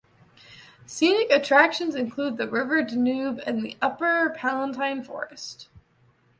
Scenic attractions include the river Danube and the Upper Palatine Forest.